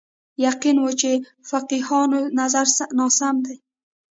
یقین و چې فقیهانو نظر ناسم دی